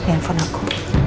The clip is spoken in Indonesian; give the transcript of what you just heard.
dengan phone aku